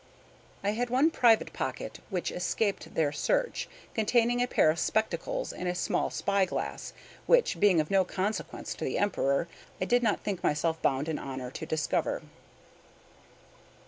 I had one private pocket which escaped their search, containing a pair of spectacles and a small spy glass, which, being of no consequence to the Emperor, I did not think myself bound in honor to discover.